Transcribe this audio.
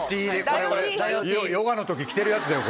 これ俺ヨガの時着てるやつだよ